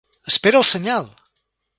Espera el senyal!